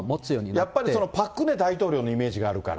やっぱりパク・クネ大統領のイメージがあるから。